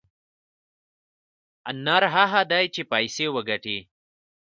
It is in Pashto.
نر هغه دى چې پيسې وگټي.